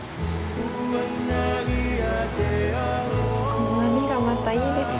この波がまたいいですね。